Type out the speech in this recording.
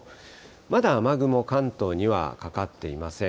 まだ雨雲、関東にはかかっていません。